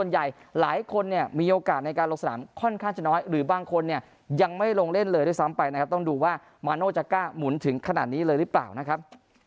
หรือบางคนเนี่ยยังไม่ลงเล่นเลยด้วยซ้ำไปนะครับต้องดูว่ามาโนจะกล้ามุนถึงขนาดนี้เลยหรือเปล่านะครับ